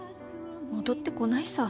戻ってこないさ。